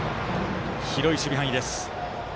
広い守備範囲です。